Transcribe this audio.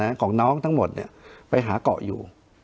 อยากของน้องทั้งหมดไปหาก่ออยู่